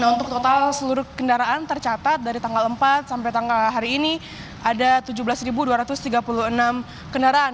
untuk total seluruh kendaraan tercatat dari tanggal empat sampai tanggal hari ini ada tujuh belas dua ratus tiga puluh enam kendaraan